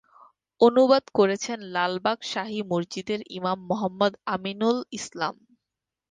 অনুবাদ করেছেন লালবাগ শাহী মসজিদের ইমাম মুহাম্মদ আমিনুল ইসলাম।